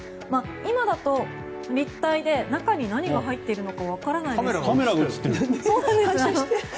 今だと立体で中に何が入っているのかカメラが映ってる。